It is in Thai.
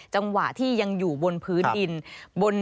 จังหวะที่ยังอยู่บนพื้นดิน